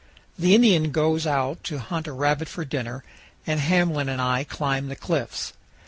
The Indian goes out to hunt a rabbit for supper, and Hamblin and I climb the cliffs.